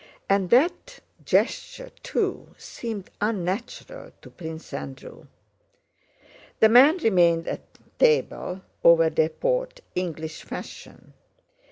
And that gesture, too, seemed unnatural to Prince Andrew. The men remained at table over their port—English fashion.